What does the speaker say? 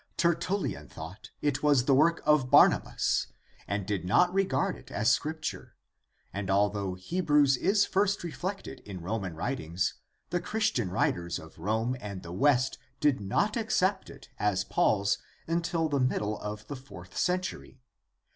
Tertullian thought it was the work of Barnabas and did not regard it as Scrip ture, and although Hebrews is first reflected in Roman writings, the Christian writers of Rome and the West did not accept it as Paul's until the middle of the fourth century.